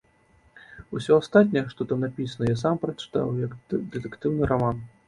Усё астатняе, што там напісана, я сам прачытаў як дэтэктыўны раман.